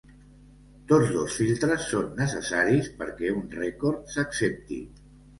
Tots dos filtres són necessaris perquè un rècord s'accepti.